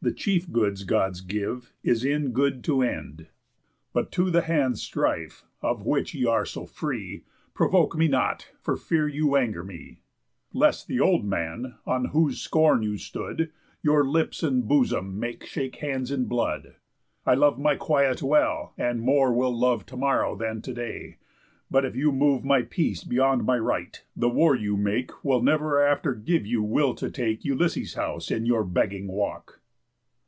The chief goods Gods give, is in good to end._ But to the hands' strife, of which y' are so free, Provoke me not, for fear you anger me; And lest the old man, on whose scorn you stood, Your lips and bosom make shake hands in blood. I love my quiet well, and more will love To morrow than to day. But if you move My peace beyond my right, the war you make Will never after give you will to take Ulysses' house into your begging walk."